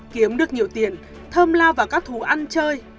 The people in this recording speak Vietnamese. kiếm được nhiều tiền thơm lao vào các thú ăn chơi